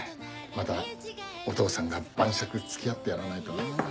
またお父さんが晩酌付き合ってやらないとなぁ。